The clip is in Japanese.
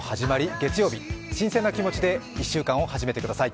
月曜日、新鮮な気持ちで１週間を始めてください。